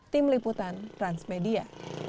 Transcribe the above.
tim liputan transmedia